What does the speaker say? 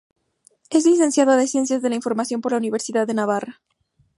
Es Licenciado en Ciencias de la Información por la Universidad de Navarra.